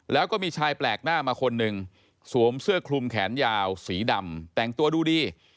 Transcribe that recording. แล้วก็มีชายแปลกหน้ามาคนหนึ่งสวมเสื้อคลุมแขนยาวสีดำแต่งตัวดูดี